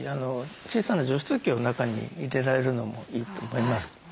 小さな除湿機を中に入れられるのもいいと思います。